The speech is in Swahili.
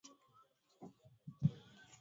Pilipili ilimwingia machoni